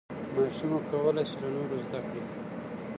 ماشومه کولی شي له نورو زده کړي.